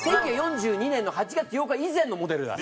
１９４２年の８月８日以前のモデルだ。